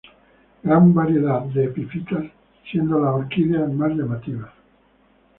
Gran variedad de epifitas, siendo las orquídeas más llamativas.